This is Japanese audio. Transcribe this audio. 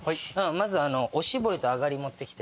まずお絞りとあがり持って来て。